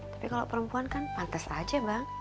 tapi kalau perempuan kan pantas aja bang